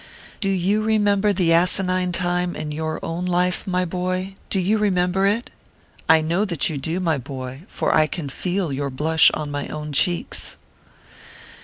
Do you remember the asinine time in your own life, my boy, do you remember it ? I know that you do, my boy, for I can feel your blush on iny own cheeks.